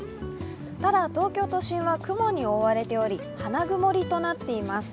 ただ、東京都心は雲に覆われており花曇りとなっています。